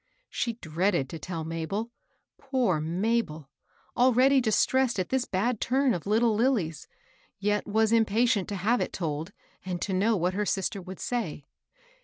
She dreaded to tell Mabel, — poor Mabel I al ready distressed at this bad torn of little Lilly's, — yet was impatient to have it told, and to know what her sister would say.